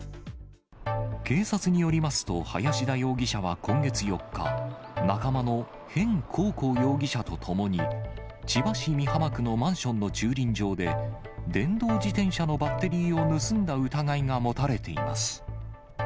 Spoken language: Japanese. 警察によりますと、林田容疑者は今月４日、仲間の辺紅光容疑者と共に、千葉市美浜区のマンションの駐輪場で、電動自転車のバッテリーを盗んだ疑いが持たれています。